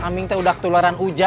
kak aming ini sudah ke yeti jawa